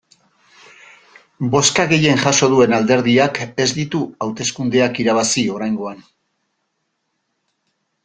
Bozka gehien jaso duen alderdiak ez ditu hauteskundeak irabazi oraingoan.